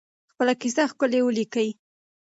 خپله کیسه ښکلې ولیکئ.